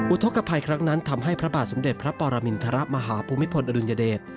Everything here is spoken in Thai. ทกภัยครั้งนั้นทำให้พระบาทสมเด็จพระปรมินทรมาฮภูมิพลอดุลยเดช